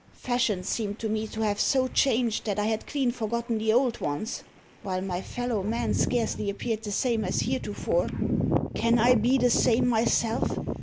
Fashions seem to me to have so changed, that I had clean forgotten the old ones; while my fellow men scarcely appeared the same as heretofore. Can I be the same myself?